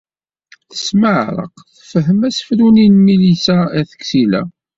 Tesmeɛreq tefhem asefru-nni n Milisa n At Ksila.